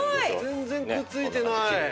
全然くっついてない！